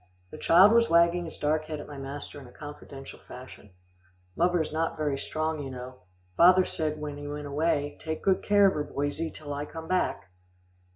The child was wagging his dark head at my master in a confidential fashion. "Muvver's not very strong, you know. Father said when he went away, 'Take good care of her, boysie, till I come back.